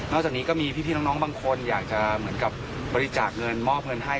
จากนี้ก็มีพี่น้องบางคนอยากจะเหมือนกับบริจาคเงินมอบเงินให้